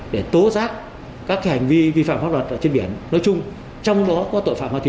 để tố giác các hành vi vi phạm pháp luật trên biển nói chung trong đó có tội phạm ma túy